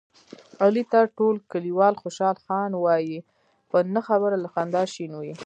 علي ته ټول کلیوال خوشحال خان وایي، په نه خبره له خندا شین وي.